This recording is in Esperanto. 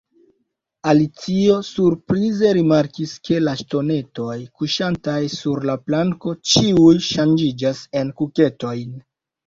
Alicio surprize rimarkis ke la ŝtonetoj kuŝantaj sur la planko ĉiuj ŝanĝiĝas en kuketojn.